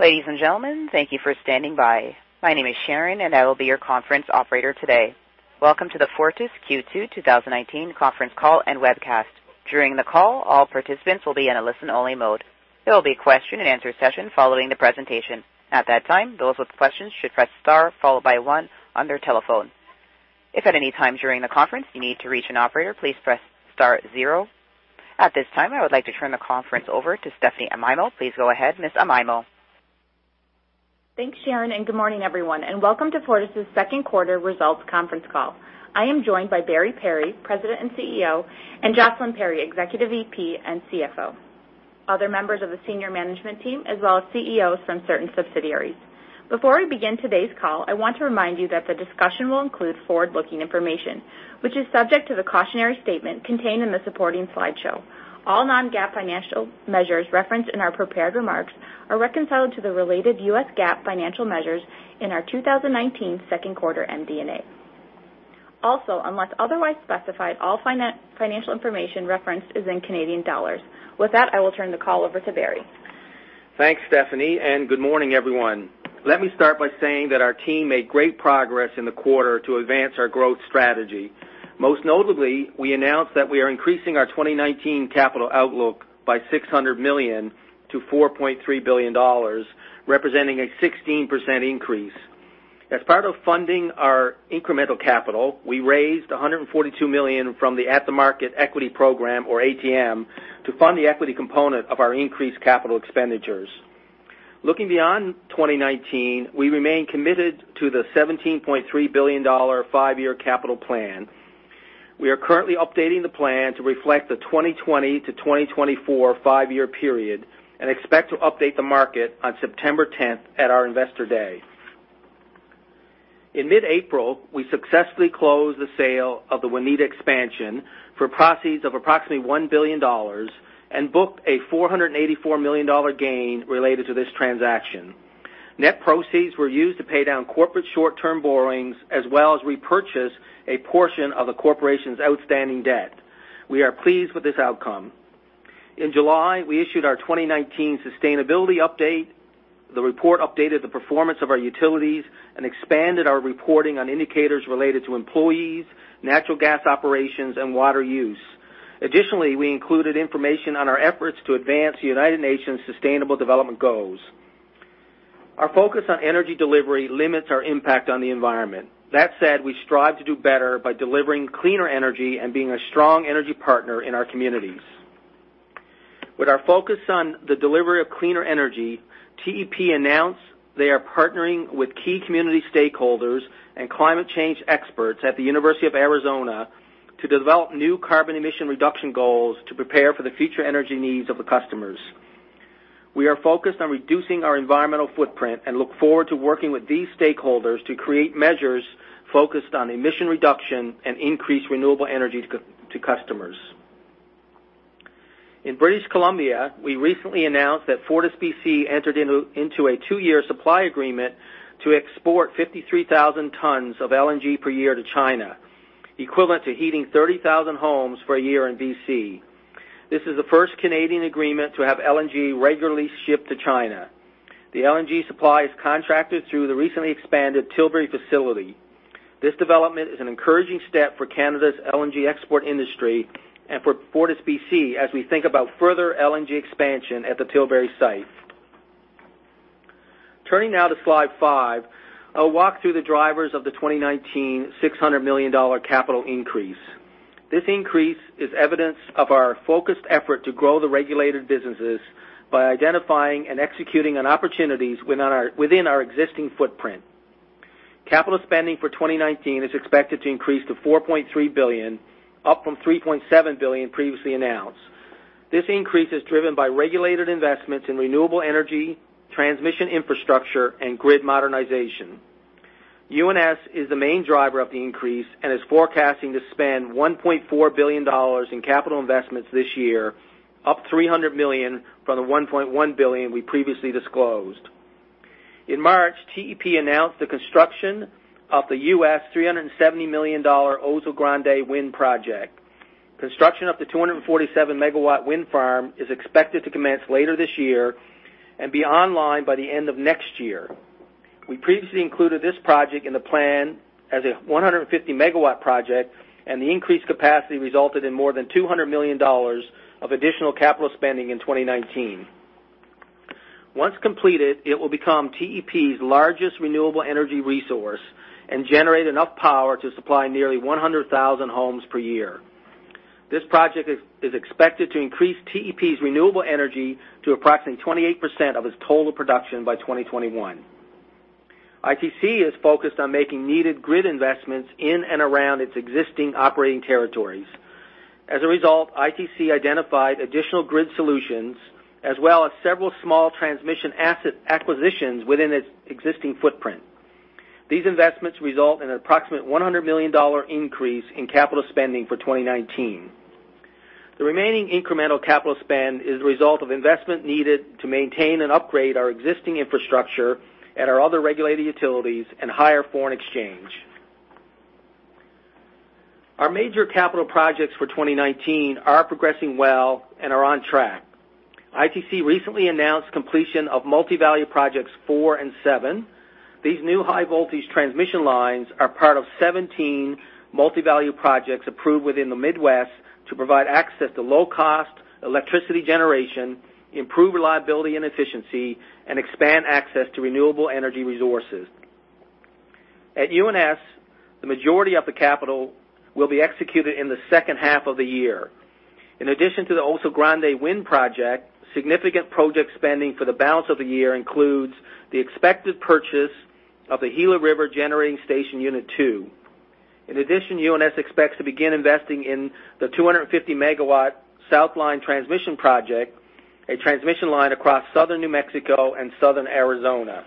Ladies and gentlemen, thank you for standing by. My name is Sharon and I will be your conference operator today. Welcome to the Fortis Q2 2019 conference call and webcast. During the call, all participants will be in a listen-only mode. There will be a question and answer session following the presentation. At that time, those with questions should press star followed by one on their telephone. If at any time during the conference you need to reach an operator, please press star zero. At this time, I would like to turn the conference over to Stephanie Amaimo. Please go ahead, Ms. Amaimo. Thanks, Sharon, and good morning everyone, and welcome to Fortis's second quarter results conference call. I am joined by Barry Perry, President and CEO, and Jocelyn Perry, Executive VP and CFO, other members of the senior management team, as well as CEOs from certain subsidiaries. Before we begin today's call, I want to remind you that the discussion will include forward-looking information, which is subject to the cautionary statement contained in the supporting slideshow. All non-GAAP financial measures referenced in our prepared remarks are reconciled to the related U.S. GAAP financial measures in our 2019 second quarter MD&A. Also, unless otherwise specified, all financial information referenced is in Canadian dollars. With that, I will turn the call over to Barry. Thanks, Stephanie, and good morning everyone. Let me start by saying that our team made great progress in the quarter to advance our growth strategy. Most notably, we announced that we are increasing our 2019 capital outlook by 600 million to 4.3 billion dollars, representing a 16% increase. As part of funding our incremental capital, we raised 142 million from the at-the-market equity program, or ATM, to fund the equity component of our increased capital expenditures. Looking beyond 2019, we remain committed to the 17.3 billion dollar five-year capital plan. We are currently updating the plan to reflect the 2020 to 2024 five-year period and expect to update the market on September 10th at our Investor Day. In mid-April, we successfully closed the sale of the Waneta expansion for proceeds of approximately 1 billion dollars and booked a 484 million dollar gain related to this transaction. Net proceeds were used to pay down corporate short-term borrowings as well as repurchase a portion of the corporation's outstanding debt. We are pleased with this outcome. In July, we issued our 2019 sustainability update. The report updated the performance of our utilities and expanded our reporting on indicators related to employees, natural gas operations, and water use. Additionally, we included information on our efforts to advance the United Nations Sustainable Development Goals. Our focus on energy delivery limits our impact on the environment. We strive to do better by delivering cleaner energy and being a strong energy partner in our communities. With our focus on the delivery of cleaner energy, TEP announced they are partnering with key community stakeholders and climate change experts at the University of Arizona to develop new carbon emission reduction goals to prepare for the future energy needs of the customers. We are focused on reducing our environmental footprint and look forward to working with these stakeholders to create measures focused on emission reduction and increased renewable energy to customers. In British Columbia, we recently announced that FortisBC entered into a two-year supply agreement to export 53,000 tons of LNG per year to China, equivalent to heating 30,000 homes for a year in BC. This is the first Canadian agreement to have LNG regularly shipped to China. The LNG supply is contracted through the recently expanded Tilbury facility. This development is an encouraging step for Canada's LNG export industry and for FortisBC as we think about further LNG expansion at the Tilbury site. Turning now to slide five, I'll walk through the drivers of the 2019 600 million dollar capital increase. This increase is evidence of our focused effort to grow the regulated businesses by identifying and executing on opportunities within our existing footprint. Capital spending for 2019 is expected to increase to 4.3 billion, up from 3.7 billion previously announced. This increase is driven by regulated investments in renewable energy, transmission infrastructure, and grid modernization. UNS is the main driver of the increase and is forecasting to spend 1.4 billion dollars in capital investments this year, up 300 million from the 1.1 billion we previously disclosed. In March, TEP announced the construction of the $370 million Oso Grande wind project. Construction of the 247-megawatt wind farm is expected to commence later this year and be online by the end of next year. We previously included this project in the plan as a 150-megawatt project, and the increased capacity resulted in more than 200 million dollars of additional capital spending in 2019. Once completed, it will become TEP's largest renewable energy resource and generate enough power to supply nearly 100,000 homes per year. This project is expected to increase TEP's renewable energy to approximately 28% of its total production by 2021. ITC is focused on making needed grid investments in and around its existing operating territories. ITC identified additional grid solutions as well as several small transmission asset acquisitions within its existing footprint. These investments result in an approximate 100 million dollar increase in capital spending for 2019. The remaining incremental capital spend is the result of investment needed to maintain and upgrade our existing infrastructure at our other regulated utilities and higher foreign exchange. Our major capital projects for 2019 are progressing well and are on track. ITC recently announced completion of Multi-Value Projects four and seven. These new high-voltage transmission lines are part of 17 Multi-Value Projects approved within the Midwest to provide access to low-cost electricity generation, improve reliability and efficiency, and expand access to renewable energy resources. At UNS, the majority of the capital will be executed in the second half of the year. In addition to the Oso Grande Wind project, significant project spending for the balance of the year includes the expected purchase of the Gila River Generating Station Unit 2. In addition, UNS expects to begin investing in the 250 MW Southline Transmission project, a transmission line across Southern New Mexico and Southern Arizona.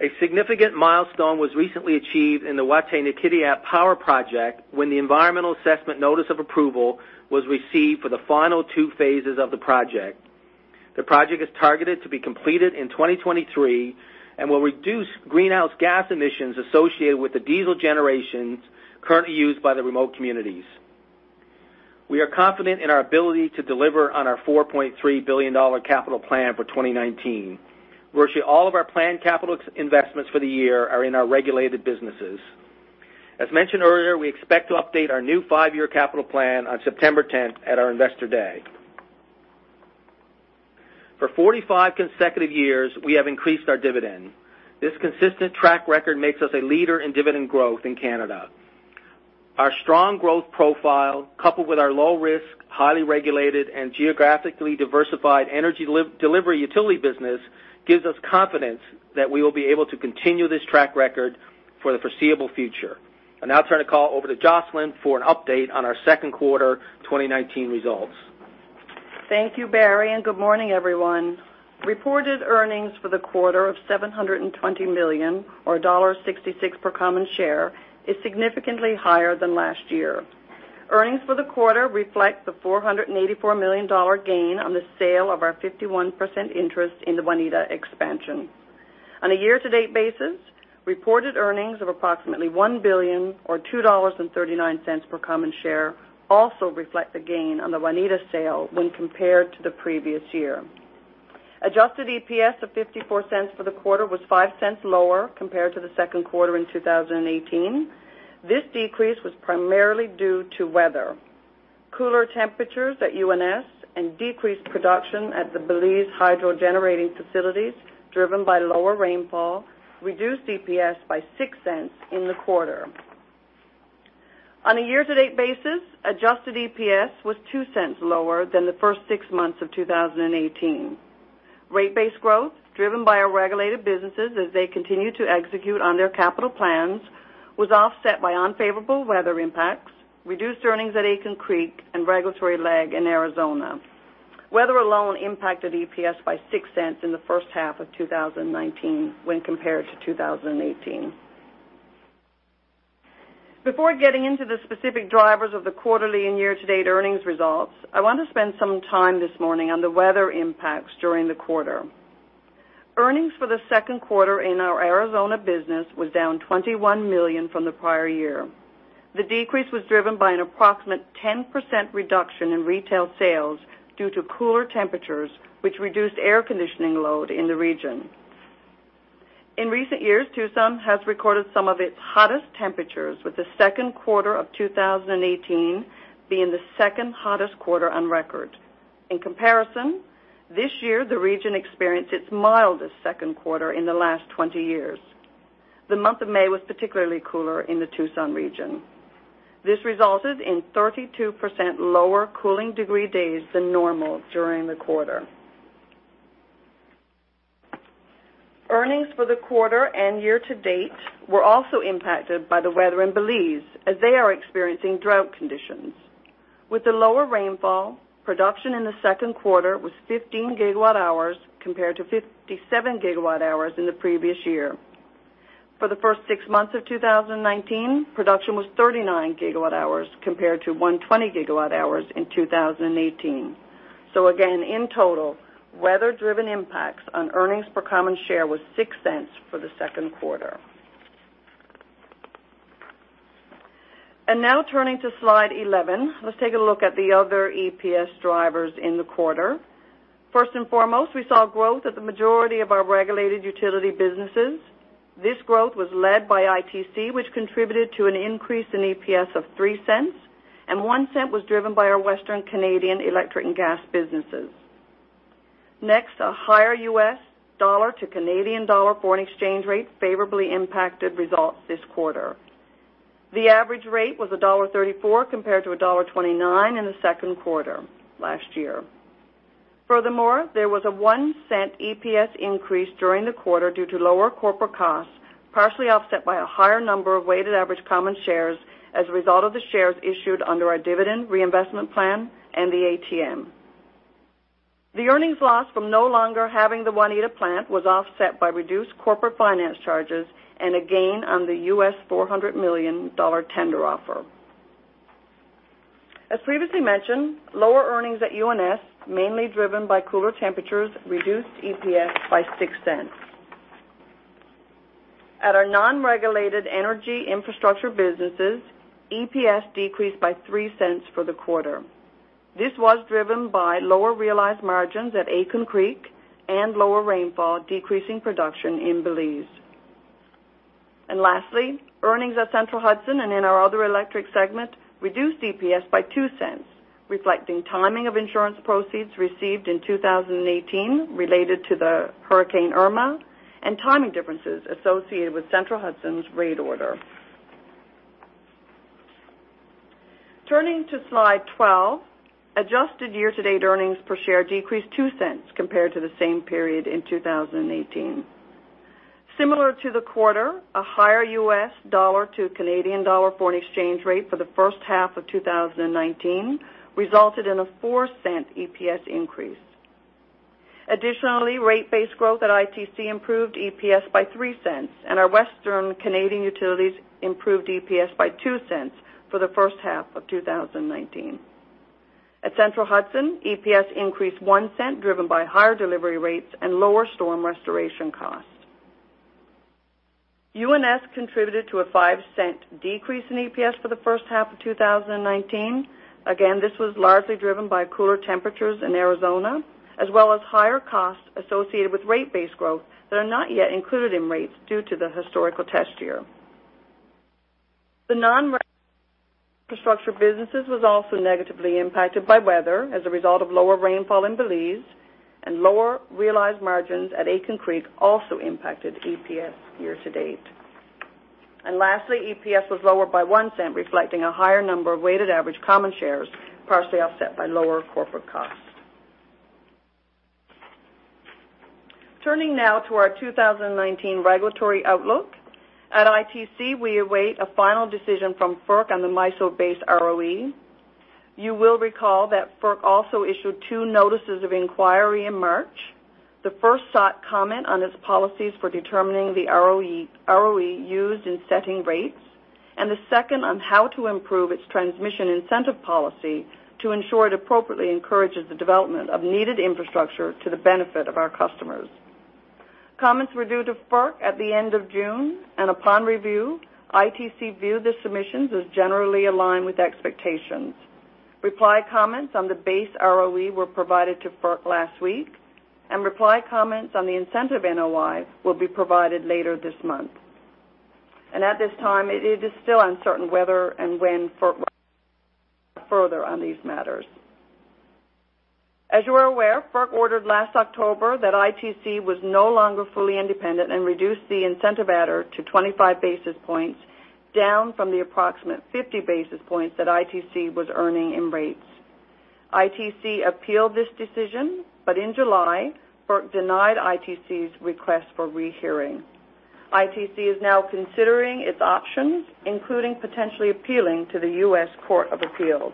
A significant milestone was recently achieved in the Wataynikaneyap Power Project when the environmental assessment notice of approval was received for the final 2 phases of the project. The project is targeted to be completed in 2023 and will reduce greenhouse gas emissions associated with the diesel generations currently used by the remote communities. We are confident in our ability to deliver on our 4.3 billion dollar capital plan for 2019. Virtually all of our planned capital investments for the year are in our regulated businesses. As mentioned earlier, we expect to update our new five-year capital plan on September 10th at our Investor Day. For 45 consecutive years, we have increased our dividend. This consistent track record makes us a leader in dividend growth in Canada. Our strong growth profile, coupled with our low risk, highly regulated, and geographically diversified energy delivery utility business, gives us confidence that we will be able to continue this track record for the foreseeable future. I now turn the call over to Jocelyn for an update on our second quarter 2019 results. Thank you, Barry. Good morning, everyone. Reported earnings for the quarter of 720 million, or dollar 1.66 per common share, is significantly higher than last year. Earnings for the quarter reflect the 484 million dollar gain on the sale of our 51% interest in the Waneta Expansion. On a year-to-date basis, reported earnings of approximately 1 billion or 2.39 dollars per common share also reflect the gain on the Waneta sale when compared to the previous year. Adjusted EPS of 0.54 for the quarter was 0.05 lower compared to the second quarter in 2018. This decrease was primarily due to weather. Cooler temperatures at UNS and decreased production at the Belize hydro-generating facilities, driven by lower rainfall, reduced EPS by 0.06 in the quarter. On a year-to-date basis, adjusted EPS was 0.02 lower than the first six months of 2018. Rate-based growth, driven by our regulated businesses as they continue to execute on their capital plans, was offset by unfavorable weather impacts, reduced earnings at Aitken Creek, and regulatory lag in Arizona. Weather alone impacted EPS by 0.06 in the first half of 2019 when compared to 2018. Before getting into the specific drivers of the quarterly and year-to-date earnings results, I want to spend some time this morning on the weather impacts during the quarter. Earnings for the second quarter in our Arizona business was down 21 million from the prior year. The decrease was driven by an approximate 10% reduction in retail sales due to cooler temperatures, which reduced air conditioning load in the region. In recent years, Tucson has recorded some of its hottest temperatures, with the second quarter of 2018 being the second hottest quarter on record. In comparison, this year, the region experienced its mildest second quarter in the last 20 years. The month of May was particularly cooler in the Tucson region. This resulted in 32% lower cooling degree days than normal during the quarter. Earnings for the quarter and year-to-date were also impacted by the weather in Belize, as they are experiencing drought conditions. With the lower rainfall, production in the second quarter was 15 gigawatt hours compared to 57 gigawatt hours in the previous year. For the first six months of 2019, production was 39 gigawatt hours compared to 120 gigawatt hours in 2018. Again, in total, weather-driven impacts on earnings per common share was 0.06 for the second quarter. Now turning to slide 11. Let's take a look at the other EPS drivers in the quarter. First and foremost, we saw growth at the majority of our regulated utility businesses. This growth was led by ITC, which contributed to an increase in EPS of 0.03, and 0.01 was driven by our Western Canadian electric and gas businesses. Next, a higher U.S. dollar to Canadian dollar foreign exchange rate favorably impacted results this quarter. The average rate was 1.34 compared to 1.29 in the second quarter last year. Furthermore, there was a CAD 0.01 EPS increase during the quarter due to lower corporate costs, partially offset by a higher number of weighted average common shares as a result of the shares issued under our dividend reinvestment plan and the ATM. The earnings lost from no longer having the Waneta plant was offset by reduced corporate finance charges and a gain on the US $400 million tender offer. As previously mentioned, lower earnings at UNS, mainly driven by cooler temperatures, reduced EPS by 0.06. At our non-regulated energy infrastructure businesses, EPS decreased by 0.03 for the quarter. This was driven by lower realized margins at Aitken Creek and lower rainfall, decreasing production in Belize. Lastly, earnings at Central Hudson and in our other electric segment reduced EPS by 0.02, reflecting timing of insurance proceeds received in 2018 related to the Hurricane Irma and timing differences associated with Central Hudson's rate order. Turning to slide 12, adjusted year-to-date earnings per share decreased 0.02 compared to the same period in 2018. Similar to the quarter, a higher U.S. dollar to Canadian dollar foreign exchange rate for the first half of 2019 resulted in a 0.04 EPS increase. Additionally, rate-based growth at ITC improved EPS by 0.03, and our western Canadian utilities improved EPS by 0.02 for the first half of 2019. At Central Hudson, EPS increased 0.01, driven by higher delivery rates and lower storm restoration costs. UNS contributed to a 0.05 decrease in EPS for the first half of 2019. Again, this was largely driven by cooler temperatures in Arizona, as well as higher costs associated with rate-based growth that are not yet included in rates due to the historical test year. The non-infrastructure businesses was also negatively impacted by weather as a result of lower rainfall in Belize, and lower realized margins at Aitken Creek also impacted EPS year-to-date. Lastly, EPS was lower by 0.01, reflecting a higher number of weighted average common shares, partially offset by lower corporate costs. Turning now to our 2019 regulatory outlook. At ITC, we await a final decision from FERC on the MISO base ROE. You will recall that FERC also issued two notices of inquiry in March. The first sought comment on its policies for determining the ROE used in setting rates, and the second on how to improve its transmission incentive policy to ensure it appropriately encourages the development of needed infrastructure to the benefit of our customers. Comments were due to FERC at the end of June, and upon review, ITC viewed the submissions as generally aligned with expectations. Reply comments on the base ROE were provided to FERC last week, and reply comments on the incentive NOI will be provided later this month. At this time, it is still uncertain whether and when FERC further on these matters. As you are aware, FERC ordered last October that ITC was no longer fully independent and reduced the incentive adder to 25 basis points, down from the approximate 50 basis points that ITC was earning in rates. ITC appealed this decision, but in July, FERC denied ITC's request for rehearing. ITC is now considering its options, including potentially appealing to the U.S. Court of Appeals.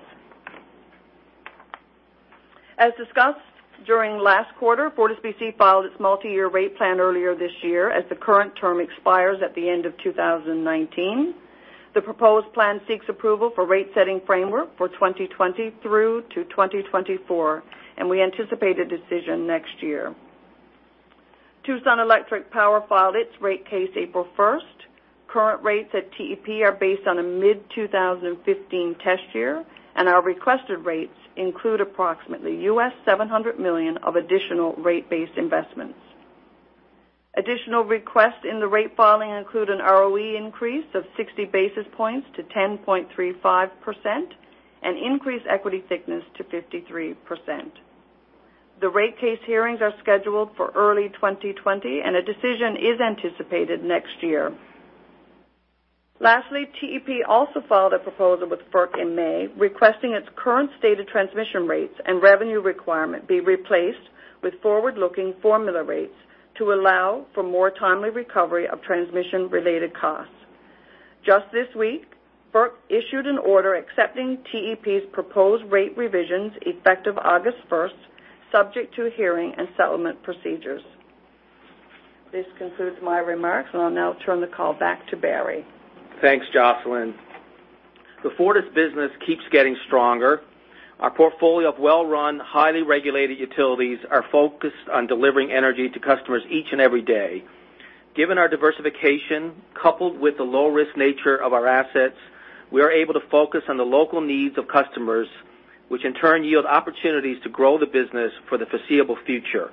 As discussed during last quarter, FortisBC filed its multi-year rate plan earlier this year as the current term expires at the end of 2019. The proposed plan seeks approval for rate-setting framework for 2020 through to 2024, and we anticipate a decision next year. Tucson Electric Power filed its rate case April 1st. Current rates at TEP are based on a mid-2015 test year, and our requested rates include approximately $700 million of additional rate-based investments. Additional requests in the rate filing include an ROE increase of 60 basis points to 10.35% and increase equity thickness to 53%. The rate case hearings are scheduled for early 2020, and a decision is anticipated next year. Lastly, TEP also filed a proposal with FERC in May, requesting its current state of transmission rates and revenue requirement be replaced with forward-looking formula rates to allow for more timely recovery of transmission-related costs. Just this week, FERC issued an order accepting TEP's proposed rate revisions effective August 1st, subject to hearing and settlement procedures. This concludes my remarks, and I'll now turn the call back to Barry. Thanks, Jocelyn. The Fortis business keeps getting stronger. Our portfolio of well-run, highly regulated utilities are focused on delivering energy to customers each and every day. Given our diversification, coupled with the low-risk nature of our assets, we are able to focus on the local needs of customers, which in turn yield opportunities to grow the business for the foreseeable future.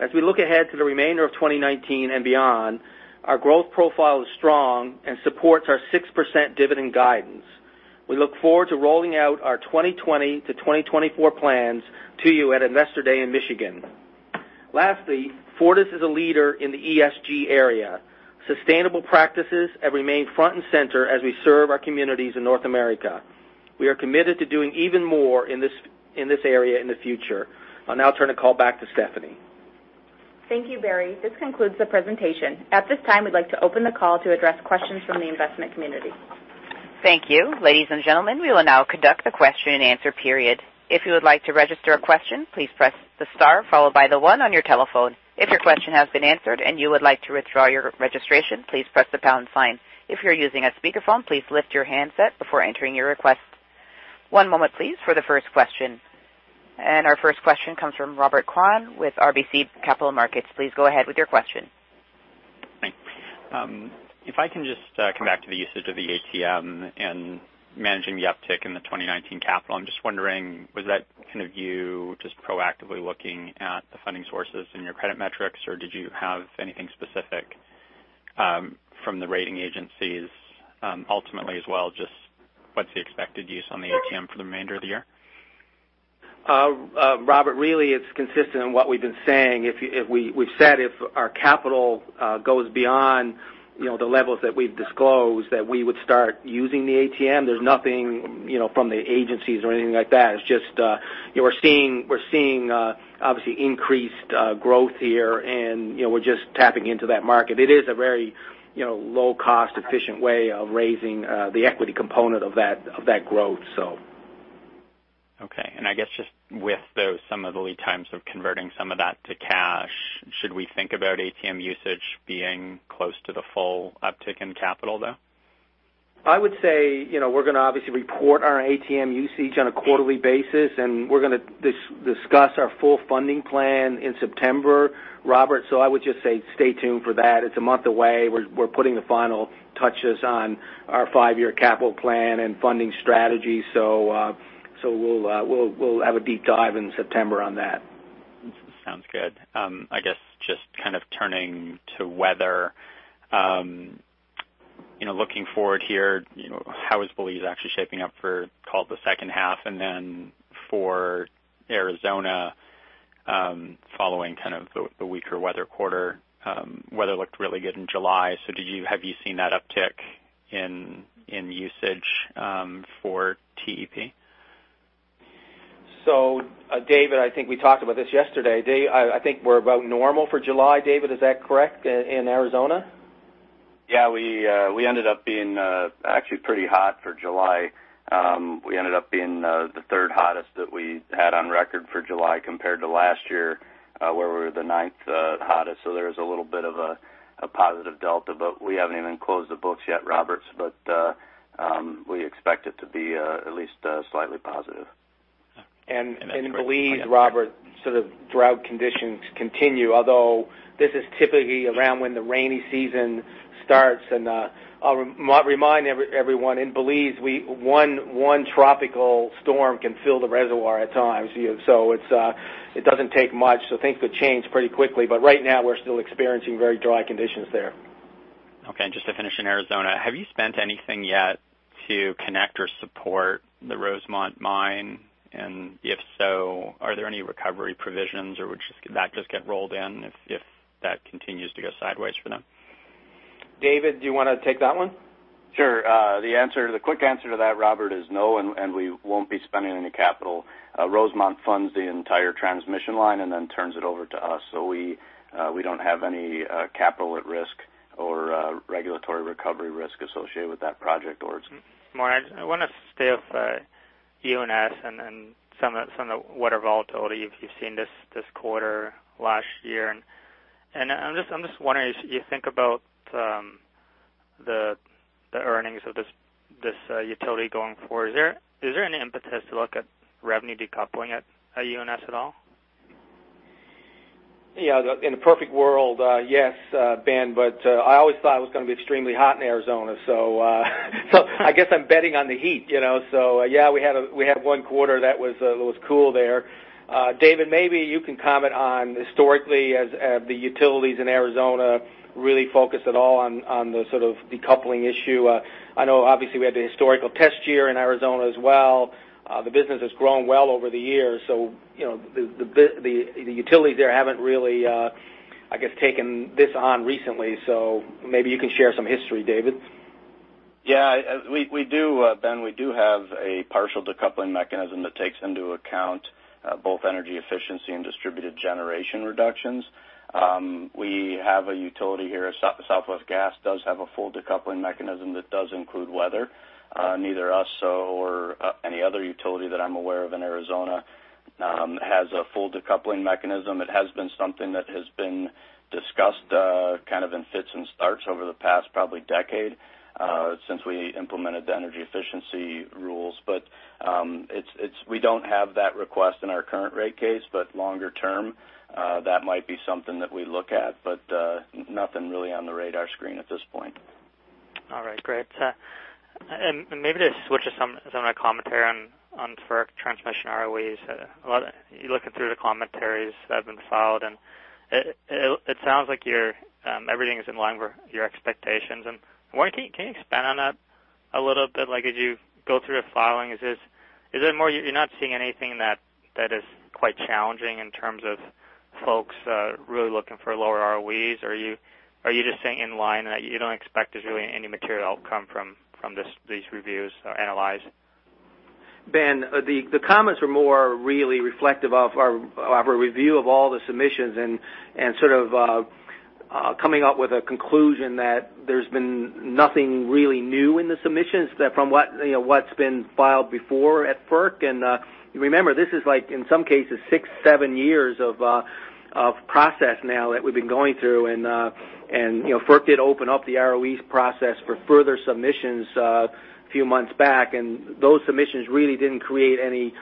As we look ahead to the remainder of 2019 and beyond, our growth profile is strong and supports our 6% dividend guidance. We look forward to rolling out our 2020 to 2024 plans to you at Investor Day in Michigan. Lastly, Fortis is a leader in the ESG area. Sustainable practices have remained front and center as we serve our communities in North America. We are committed to doing even more in this area in the future. I'll now turn the call back to Stephanie. Thank you, Barry. This concludes the presentation. At this time, we'd like to open the call to address questions from the investment community. Thank you. Ladies and gentlemen, we will now conduct the question and answer period. If you would like to register a question, please press the star followed by the one on your telephone. If your question has been answered and you would like to withdraw your registration, please press the pound sign. If you're using a speakerphone, please lift your handset before entering your request. One moment please, for the first question. Our first question comes from Robert Kwan with RBC Capital Markets. Please go ahead with your question. Thanks. If I can just come back to the usage of the ATM and managing the uptick in the 2019 capital, I'm just wondering, was that you just proactively looking at the funding sources in your credit metrics, or did you have anything specific from the rating agencies ultimately as well, just what's the expected use on the ATM for the remainder of the year? Robert, really it's consistent in what we've been saying. We've said if our capital goes beyond the levels that we've disclosed, that we would start using the ATM. There's nothing from the agencies or anything like that. It's just we're seeing obviously increased growth here, and we're just tapping into that market. It is a very low-cost, efficient way of raising the equity component of that growth. Okay. I guess just with those, some of the lead times of converting some of that to cash, should we think about ATM usage being close to the full uptick in capital, though? I would say, we're going to obviously report our ATM usage on a quarterly basis, and we're going to discuss our full funding plan in September, Robert. I would just say stay tuned for that. It's a month away. We're putting the final touches on our five-year capital plan and funding strategy. We'll have a deep dive in September on that. Sounds good. I guess just turning to weather. Looking forward here, how is Belize actually shaping up for, call it the second half? Then for Arizona, following the weaker weather quarter, weather looked really good in July. Have you seen that uptick in usage, for TEP? David, I think we talked about this yesterday. I think we're about normal for July, David, is that correct, in Arizona? Yeah, we ended up being actually pretty hot for July. We ended up being the third hottest that we had on record for July compared to last year, where we were the ninth hottest. There was a little bit of a positive delta, but we haven't even closed the books yet, Robert. We expect it to be at least slightly positive. Okay. That's great. In Belize, Robert, the drought conditions continue, although this is typically around when the rainy season starts, and I'll remind everyone, in Belize, one tropical storm can fill the reservoir at times. It doesn't take much. Things could change pretty quickly, but right now we're still experiencing very dry conditions there. Just to finish in Arizona, have you spent anything yet to connect or support the Rosemont Mine? If so, are there any recovery provisions or would that just get rolled in if that continues to go sideways for them? David, do you want to take that one? Sure. The quick answer to that, Robert, is no, and we won't be spending any capital. Rosemont funds the entire transmission line and then turns it over to us. We don't have any capital at risk or regulatory recovery risk associated with that project. Moran, I want to stay with UNS and some of the water volatility you've seen this quarter, last year, and I'm just wondering, as you think about the earnings of this utility going forward, is there any impetus to look at revenue decoupling at UNS at all? In a perfect world, yes, Ben. I always thought it was going to be extremely hot in Arizona, I guess I'm betting on the heat. We had one quarter that was cool there. David, maybe you can comment on historically, have the utilities in Arizona really focused at all on the sort of decoupling issue? I know obviously we had the historical test year in Arizona as well. The business has grown well over the years. The utilities there haven't really, I guess, taken this on recently, maybe you can share some history, David. Yeah. We do, Ben. We do have a partial decoupling mechanism that takes into account both energy efficiency and distributed generation reductions. We have a utility here, Southwest Gas does have a full decoupling mechanism that does include weather. Neither us or any other utility that I'm aware of in Arizona has a full decoupling mechanism. It has been something that has been discussed in fits and starts over the past, probably decade, since we implemented the energy efficiency rules. We don't have that request in our current rate case. Longer term, that might be something that we look at. Nothing really on the radar screen at this point. All right. Great. Maybe to switch to some of the commentary on FERC transmission ROEs. You look through the commentaries that have been filed, and it sounds like everything's in line with your expectations. Can you expand on that a little bit? As you go through the filings, you're not seeing anything that is quite challenging in terms of folks really looking for lower ROEs? Are you just saying in line, and that you don't expect there's really any material outcome from these reviews analyzed? Ben, the comments were more really reflective of our review of all the submissions, sort of coming up with a conclusion that there's been nothing really new in the submissions from what's been filed before at FERC. Remember, this is like, in some cases, six, seven years of process now that we've been going through, FERC did open up the ROE process for further submissions a few months back, those submissions really didn't create any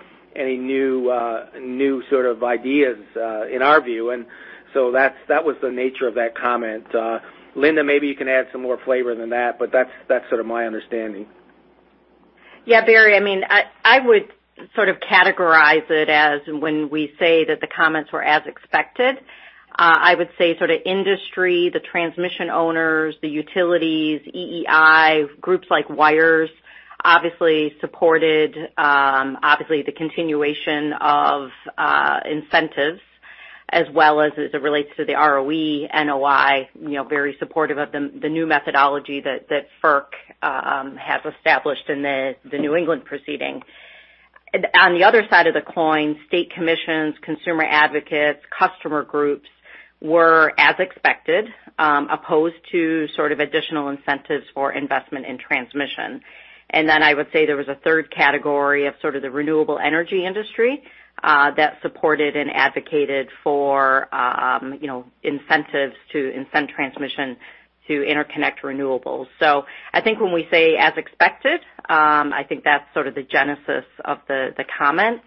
new ideas, in our view. That was the nature of that comment. Linda, maybe you can add some more flavor than that's sort of my understanding. Yeah, Barry, I would sort of categorize it as when we say that the comments were as expected, I would say sort of industry, the transmission owners, the utilities, EEI, groups like WIRES, obviously supported the continuation of incentives as well as it relates to the ROE NOI, very supportive of the new methodology that FERC has established in the New England proceeding. On the other side of the coin, state commissions, consumer advocates, customer groups were, as expected, opposed to sort of additional incentives for investment in transmission. I would say there was a third category of sort of the renewable energy industry, that supported and advocated for incentives to incent transmission to interconnect renewables. I think when we say as expected, I think that's sort of the genesis of the comments.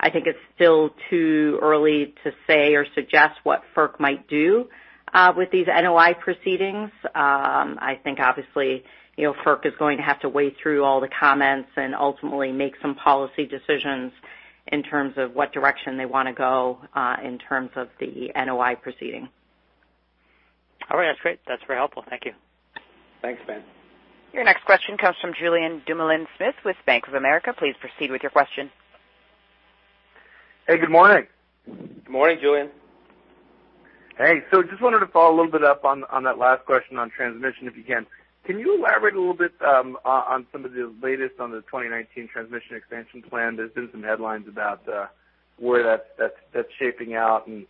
I think it's still too early to say or suggest what FERC might do with these NOI proceedings. I think obviously, FERC is going to have to wade through all the comments and ultimately make some policy decisions in terms of what direction they want to go, in terms of the NOI proceeding. All right. That's great. That's very helpful. Thank you. Thanks, Ben. Your next question comes from Julien Dumoulin-Smith with Bank of America. Please proceed with your question. Hey, good morning. Good morning, Julien. Hey. Just wanted to follow a little bit up on that last question on transmission, if you can. Can you elaborate a little bit on some of the latest on the 2019 transmission expansion plan? There's been some headlines about where that's shaping out and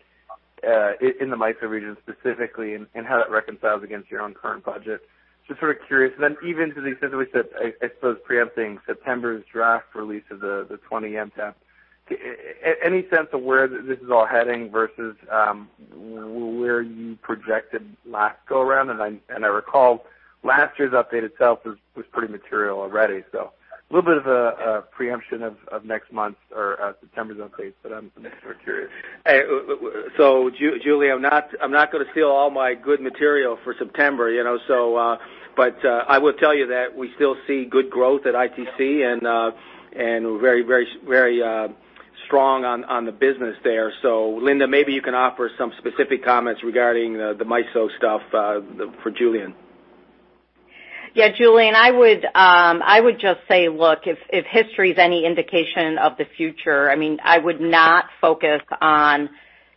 in the MISO region specifically and how that reconciles against your own current budget. Just sort of curious. Even to the extent that we said, I suppose preempting September's draft release of the 20 MTEP, any sense of where this is all heading versus where you projected last go around? I recall last year's update itself was pretty material already. A little bit of a preemption of next month or September's release, but I'm super curious. Julien, I'm not going to steal all my good material for September. I will tell you that we still see good growth at ITC and very strong on the business there. Linda, maybe you can offer some specific comments regarding the MISO stuff, for Julien. Yeah, Julien, I would just say, look, if history is any indication of the future, I would not focus on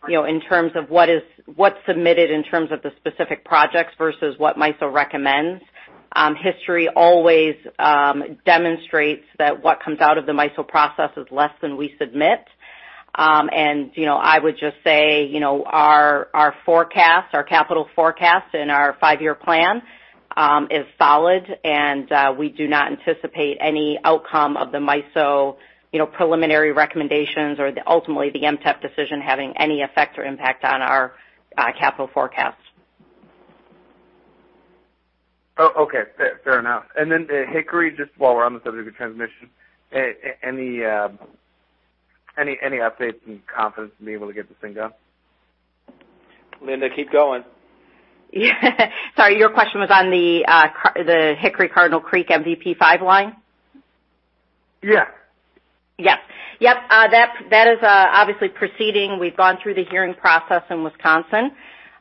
in terms of what's submitted in terms of the specific projects versus what MISO recommends. History always demonstrates that what comes out of the MISO process is less than we submit. I would just say, our capital forecast and our five-year plan, is solid, and we do not anticipate any outcome of the MISO preliminary recommendations or ultimately the MTEP decision having any effect or impact on our capital forecast. Oh, okay. Fair enough. Hickory, just while we're on the subject of transmission, any updates and confidence in being able to get this thing done? Linda, keep going. Yeah. Sorry, your question was on the Hickory Cardinal Creek MVP5 line? Yeah. Yes. That is obviously proceeding. We've gone through the hearing process in Wisconsin,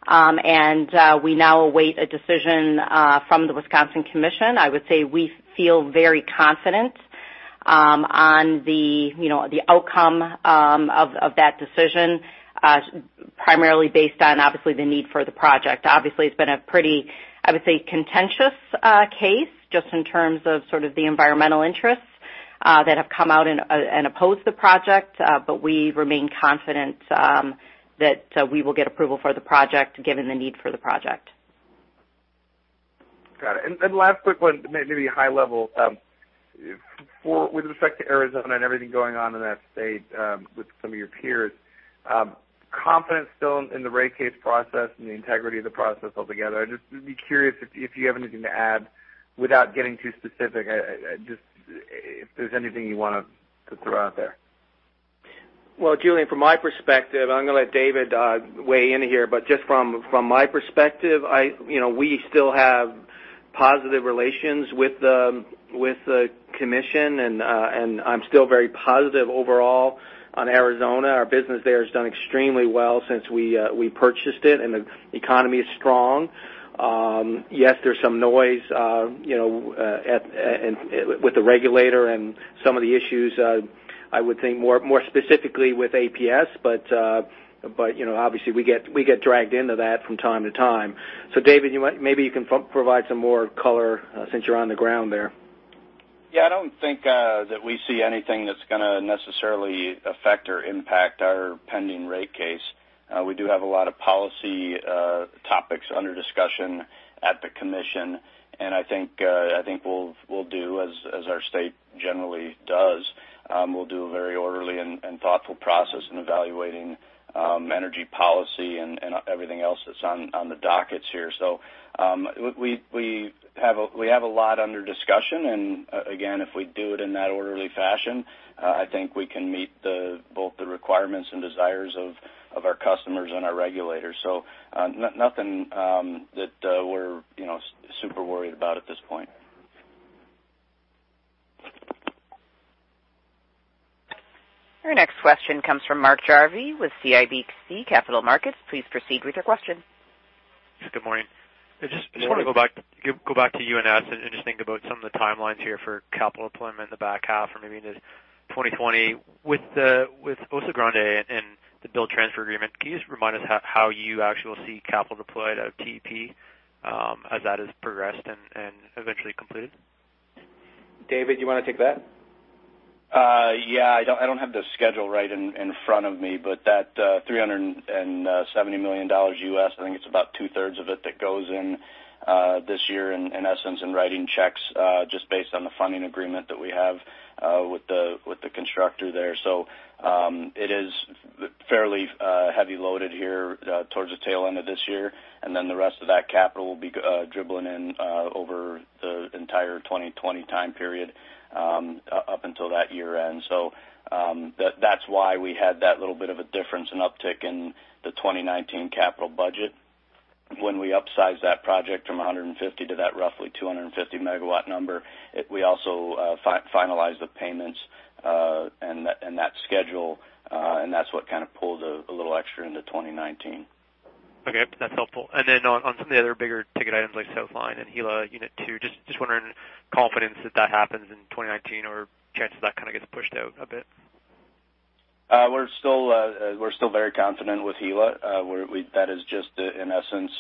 and we now await a decision from the Wisconsin Commission. I would say we feel very confident on the outcome of that decision, primarily based on, obviously, the need for the project. Obviously, it's been a pretty, I would say, contentious case, just in terms of sort of the environmental interests that have come out and opposed the project. We remain confident that we will get approval for the project, given the need for the project. Got it. Last quick one, maybe a high level. With respect to Arizona and everything going on in that state with some of your peers, confidence still in the rate case process and the integrity of the process altogether. I'd just be curious if you have anything to add without getting too specific, just if there's anything you want to throw out there. Well, Julien, from my perspective, I'm going to let David weigh in here, but just from my perspective, we still have positive relations with the commission, and I'm still very positive overall on Arizona. Our business there has done extremely well since we purchased it, and the economy is strong. Yes, there's some noise with the regulator and some of the issues, I would think more specifically with APS. Obviously we get dragged into that from time to time. David, maybe you can provide some more color since you're on the ground there. Yeah, I don't think that we see anything that's going to necessarily affect or impact our pending rate case. We do have a lot of policy topics under discussion at the commission. I think we'll do as our state generally does. We'll do a very orderly and thoughtful process in evaluating energy policy and everything else that's on the dockets here. We have a lot under discussion, and again, if we do it in that orderly fashion, I think we can meet both the requirements and desires of our customers and our regulators. Nothing that we're super worried about at this point. Your next question comes from Mark Jarvi with CIBC Capital Markets. Please proceed with your question. Good morning. Good morning. I just want to go back to you and ask and just think about some of the timelines here for capital deployment in the back half or maybe into 2020. With Oso Grande and the build transfer agreement, can you just remind us how you actually see capital deployed out of TEP as that is progressed and eventually completed? David, do you want to take that? Yeah. I don't have the schedule right in front of me, but that $370 million US, I think it's about two-thirds of it that goes in this year, in essence, in writing checks, just based on the funding agreement that we have with the constructor there. It is fairly heavy loaded here towards the tail end of this year, and then the rest of that capital will be dribbling in over the entire 2020 time period up until that year-end. That's why we had that little bit of a difference in uptick in the 2019 capital budget. When we upsized that project from 150 to that roughly 250-megawatt number, we also finalized the payments and that schedule, and that's what kind of pulled a little extra into 2019. Okay. That's helpful. On some of the other bigger-ticket items like Southline and Gila unit 2, just wondering, confidence that that happens in 2019 or chances of that kind of gets pushed out a bit? We're still very confident with Gila. That is just, in essence,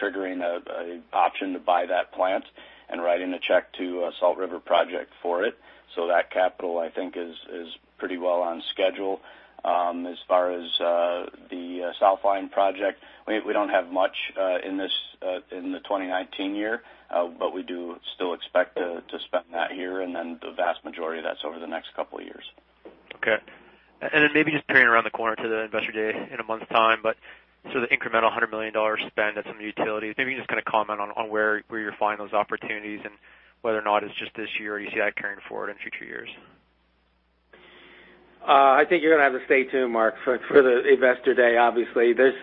triggering an option to buy that plant and writing a check to Salt River Project for it. That capital, I think, is pretty well on schedule. As far as the Southline project, we don't have much in the 2019 year, but we do still expect to spend that year and then the vast majority of that's over the next couple of years. Okay. Maybe just turning around the corner to the Investor Day in a month's time, the incremental 100 million dollars spend on some of the utilities, maybe you just kind of comment on where you're finding those opportunities and whether or not it's just this year or you see that carrying forward into future years. I think you're going to have to stay tuned, Mark, for the Investor Day, obviously. That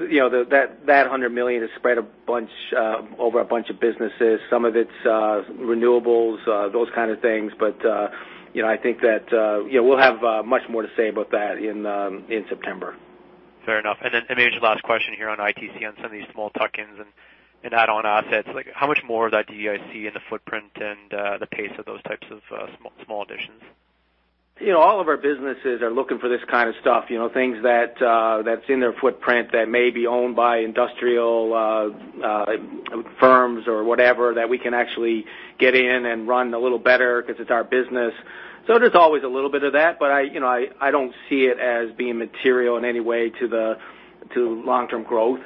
100 million is spread over a bunch of businesses. Some of it's renewables, those kind of things. I think that we'll have much more to say about that in September. Fair enough. Maybe just the last question here on ITC on some of these small tuck-ins and add-on assets. How much more of that do you see in the footprint and the pace of those types of small additions? All of our businesses are looking for this kind of stuff, things that's in their footprint that may be owned by industrial firms or whatever that we can actually get in and run a little better because it's our business. There's always a little bit of that, but I don't see it as being material in any way to long-term growth.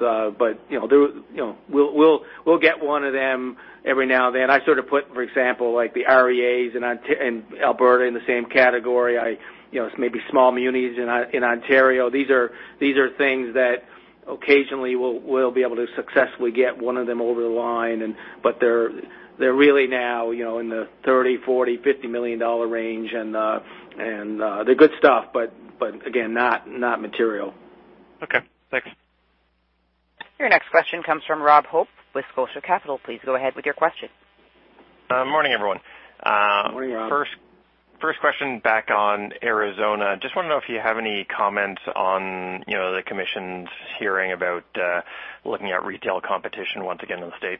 We'll get one of them every now and then. I sort of put, for example, like the REAs in Alberta in the same category. Maybe small munis in Ontario. These are things that occasionally we'll be able to successfully get one of them over the line, but they're really now in the 30 million dollar, 40 million, 50 million dollar range, and they're good stuff, but again, not material. Okay, thanks. Your next question comes from Rob Hope with Scotia Capital. Please go ahead with your question. Morning, everyone. Morning, Rob. First question back on Arizona. Just want to know if you have any comments on the commission's hearing about looking at retail competition once again in the state?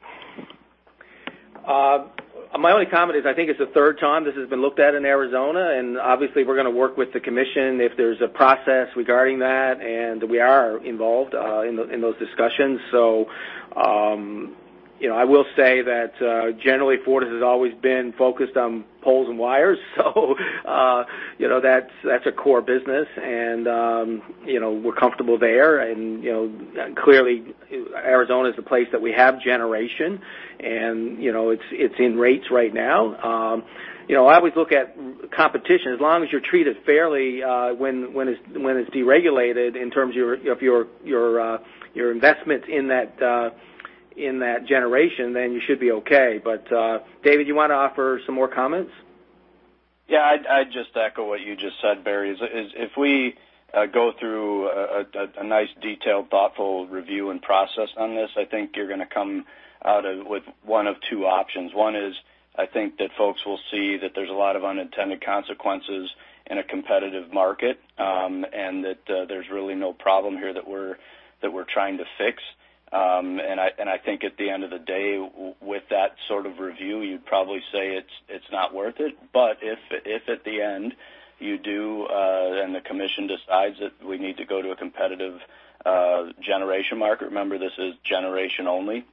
My only comment is, I think it's the third time this has been looked at in Arizona, and obviously, we're going to work with the commission if there's a process regarding that, and we are involved in those discussions. I will say that generally, Fortis has always been focused on poles and wires, so that's a core business, and we're comfortable there. Clearly, Arizona is a place that we have generation, and it's in rates right now. I always look at competition, as long as you're treated fairly when it's deregulated in terms of your investment in that generation, then you should be okay. David, you want to offer some more comments? Yeah. I'd just echo what you just said, Barry. If we go through a nice, detailed, thoughtful review and process on this, I think you're going to come out with one of two options. One is, I think that folks will see that there's a lot of unintended consequences in a competitive market, and that there's really no problem here that we're trying to fix. I think at the end of the day with that sort of review, you'd probably say it's not worth it. If at the end you do and the Commission decides that we need to go to a competitive generation market, remember, this is generation only.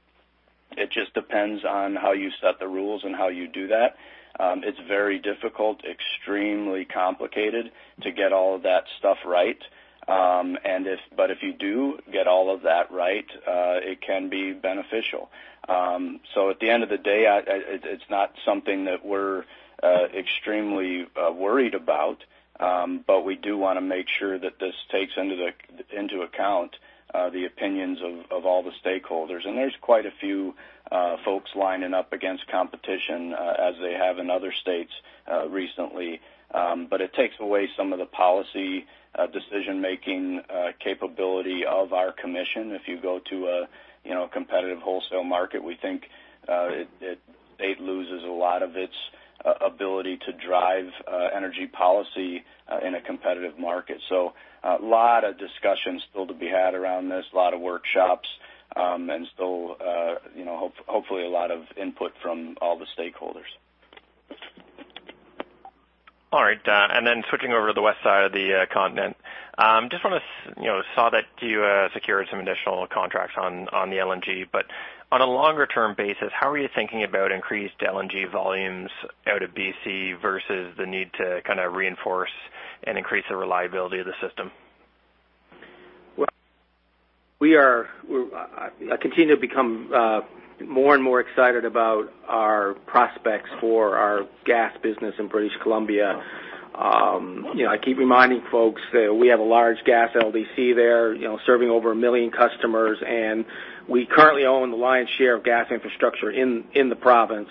It just depends on how you set the rules and how you do that. It's very difficult, extremely complicated to get all of that stuff right. But if you do get all of that right, it can be beneficial. At the end of the day, it's not something that we're extremely worried about, but we do want to make sure that this takes into account the opinions of all the stakeholders. There's quite a few folks lining up against competition as they have in other states recently. It takes away some of the policy decision-making capability of our commission. If you go to a competitive wholesale market, we think the state loses a lot of its ability to drive energy policy in a competitive market. A lot of discussions still to be had around this, a lot of workshops, and still hopefully a lot of input from all the stakeholders. All right. Switching over to the west side of the continent. Just saw that you secured some additional contracts on the LNG, but on a longer-term basis, how are you thinking about increased LNG volumes out of BC versus the need to reinforce and increase the reliability of the system? I continue to become more and more excited about our prospects for our gas business in British Columbia. I keep reminding folks that we have a large gas LDC there, serving over a million customers, and we currently own the lion's share of gas infrastructure in the province.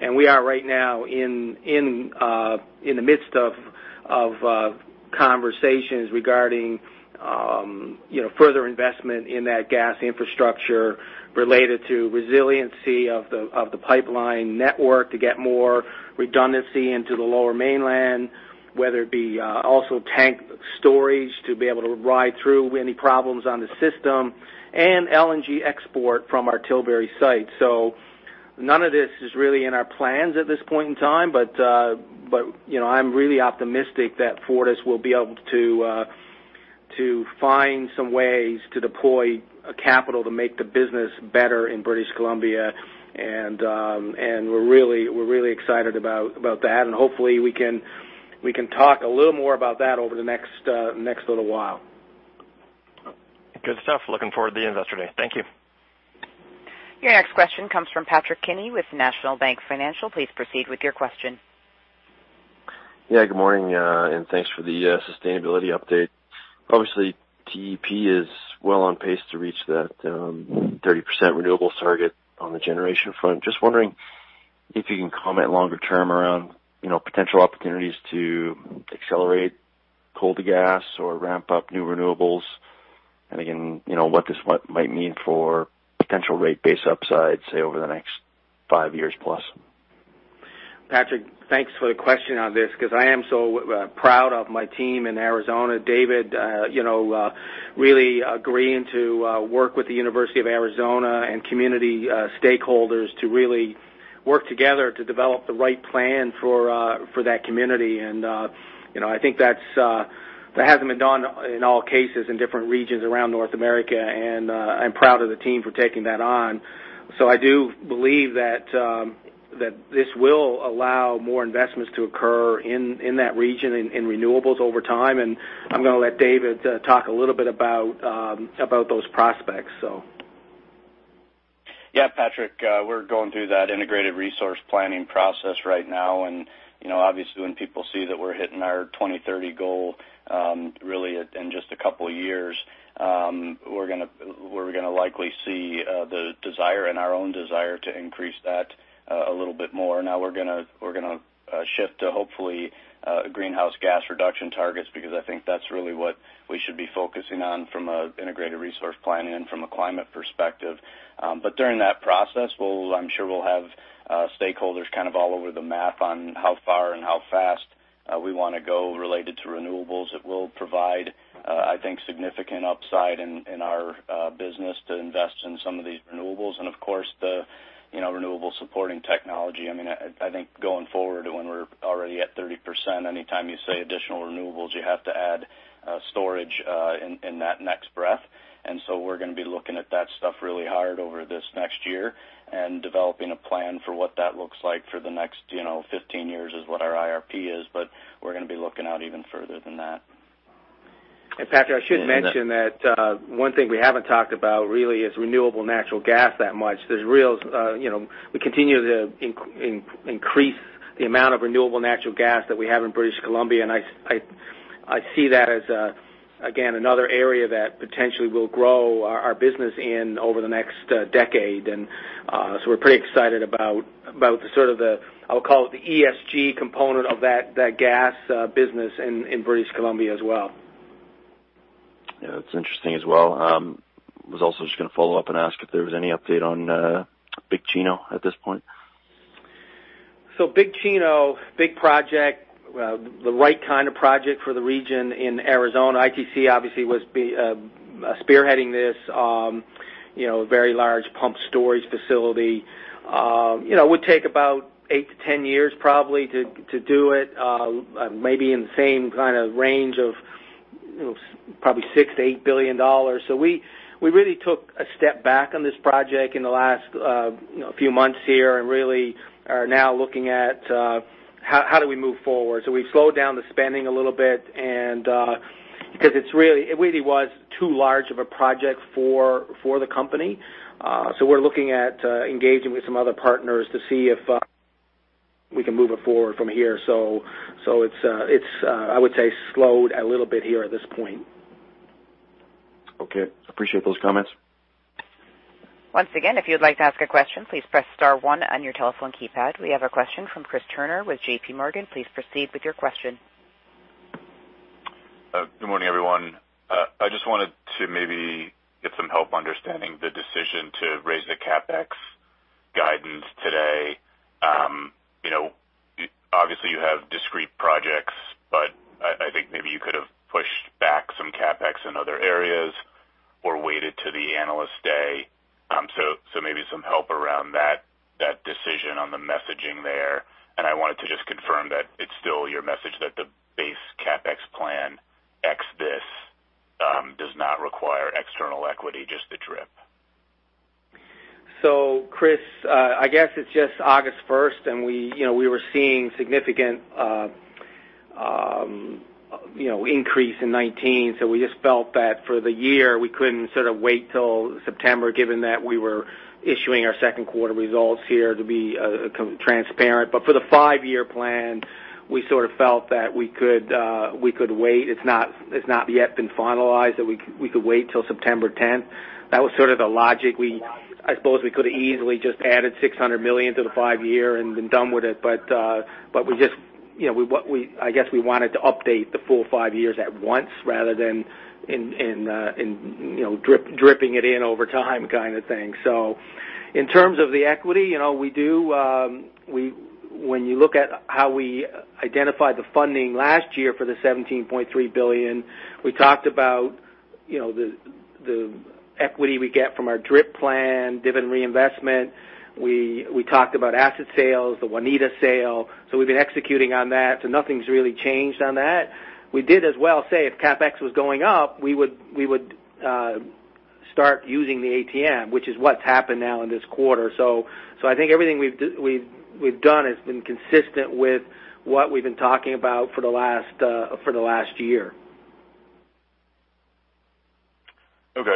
We are right now in the midst of conversations regarding further investment in that gas infrastructure related to resiliency of the pipeline network to get more redundancy into the lower mainland, whether it be also tank storage to be able to ride through any problems on the system, and LNG export from our Tilbury site. None of this is really in our plans at this point in time, but I'm really optimistic that Fortis will be able to find some ways to deploy capital to make the business better in British Columbia. We're really excited about that, and hopefully we can talk a little more about that over the next little while. Good stuff. Looking forward to the investor day. Thank you. Your next question comes from Patrick Kenny with National Bank Financial. Please proceed with your question. Yeah, good morning, and thanks for the sustainability update. Obviously, TEP is well on pace to reach that 30% renewable target on the generation front. Just wondering if you can comment longer term around potential opportunities to accelerate coal to gas or ramp up new renewables. What this might mean for potential rate base upside, say, over the next five years plus? Patrick, thanks for the question on this, because I am so proud of my team in Arizona. David really agreeing to work with the University of Arizona and community stakeholders to really work together to develop the right plan for that community. I think that hasn't been done in all cases in different regions around North America, and I'm proud of the team for taking that on. I do believe that this will allow more investments to occur in that region in renewables over time. I'm going to let David talk a little bit about those prospects. Yeah, Patrick, we're going through that integrated resource planning process right now. Obviously when people see that we're hitting our 2030 goal really in just a couple of years, we're going to likely see the desire and our own desire to increase that a little bit more. Now we're going to shift to hopefully greenhouse gas reduction targets, because I think that's really what we should be focusing on from an integrated resource planning and from a climate perspective. During that process, I'm sure we'll have stakeholders kind of all over the map on how far and how fast we want to go related to renewables. It will provide, I think, significant upside in our business to invest in some of these renewables and, of course, the renewable supporting technology. I think going forward, when we're already at 30%, anytime you say additional renewables, you have to add storage in that next breath. We're going to be looking at that stuff really hard over this next year and developing a plan for what that looks like for the next 15 years is what our IRP is. We're going to be looking out even further than that. Patrick, I should mention that one thing we haven't talked about really is renewable natural gas that much. We continue to increase the amount of renewable natural gas that we have in British Columbia, and I see that as, again, another area that potentially will grow our business in over the next decade. So we're pretty excited about sort of the, I'll call it the ESG component of that gas business in British Columbia as well. Yeah, that is interesting as well. Was also just going to follow up and ask if there was any update on Big Chino at this point. Big Chino, big project, the right kind of project for the region in Arizona. ITC obviously was spearheading this very large pumped storage facility. Would take about 8 to 10 years probably to do it. Maybe in the same kind of range of probably 6 billion-8 billion dollars. We really took a step back on this project in the last few months here and really are now looking at how do we move forward. We've slowed down the spending a little bit and It really was too large of a project for the company. We're looking at engaging with some other partners to see if we can move it forward from here. It's, I would say, slowed a little bit here at this point. Okay. Appreciate those comments. Once again, if you'd like to ask a question, please press star one on your telephone keypad. We have a question from Chris Turnure with JPMorgan. Please proceed with your question. Good morning, everyone. I just wanted to maybe get some help understanding the decision to raise the CapEx guidance today. Obviously you have discrete projects, but I think maybe you could have pushed back some CapEx in other areas or waited to the Analyst Day. Maybe some help around that decision on the messaging there. I wanted to just confirm that it's still your message that the base CapEx plan, ex this, does not require external equity, just the DRIP. Chris, I guess it's just August 1st, and we were seeing significant increase in 2019, so we just felt that for the year we couldn't sort of wait till September, given that we were issuing our second quarter results here to be transparent. For the five-year plan, we sort of felt that we could wait. It's not yet been finalized, that we could wait till September 10th. That was sort of the logic. I suppose we could've easily just added 600 million to the five-year and been done with it. I guess we wanted to update the full five years at once rather than dripping it in over time kind of thing. In terms of the equity, when you look at how we identified the funding last year for the 17.3 billion, we talked about the equity we get from our DRIP plan, dividend reinvestment. We talked about asset sales, the Waneta sale. We've been executing on that, so nothing's really changed on that. We did as well say if CapEx was going up, we would start using the ATM, which is what's happened now in this quarter. I think everything we've done has been consistent with what we've been talking about for the last year. Okay,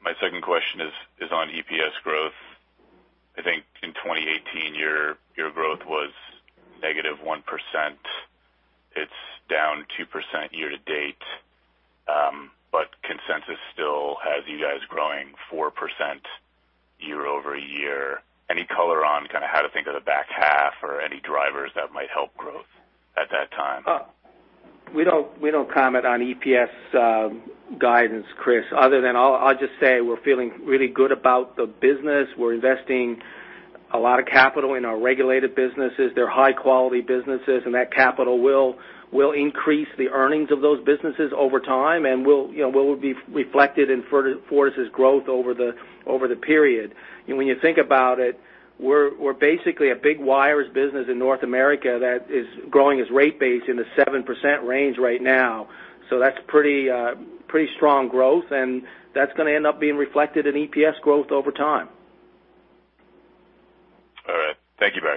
my second question is on EPS growth. I think in 2018, your growth was negative 1%. It's down 2% year-to-date. Consensus still has you guys growing 4% year-over-year. Any color on kind of how to think of the back half or any drivers that might help growth at that time? We don't comment on EPS guidance, Chris, other than I'll just say we're feeling really good about the business. We're investing a lot of capital in our regulated businesses. They're high-quality businesses, and that capital will increase the earnings of those businesses over time and will be reflected in Fortis's growth over the period. When you think about it, we're basically a big wires business in North America that is growing its rate base in the 7% range right now. That's pretty strong growth, and that's going to end up being reflected in EPS growth over time. All right. Thank you very much.